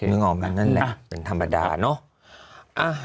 มึงออกมาอย่างนั้นแหละเป็นธรรมดาเนาะ